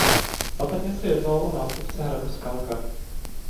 Patrně se jednalo o nástupce hradu Skalka.